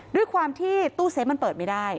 ด้วยความที่ตู้เซฟมันเปิดไม่ได้